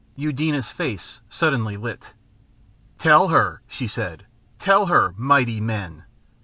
Eudena's face suddenly lit. "Tell her," she said. "Tell her, mighty men!